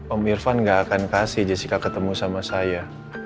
om irfan gak akan kasih jessica ketemu sama saya